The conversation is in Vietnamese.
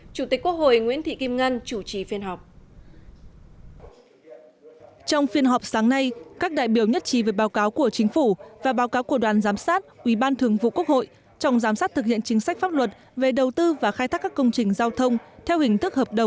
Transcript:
chủ tịch quốc hội nguyễn thị kim ngân chủ trì phiên họp